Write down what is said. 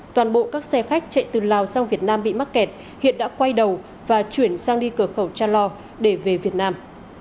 toàn bộ các xe khách chạy từ lào sang việt nam bị mắc kẹt hiện đã quay đầu và chuyển sang đi cửa khẩu cha lo để về việt nam